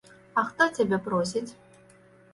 А хто цябе просіць?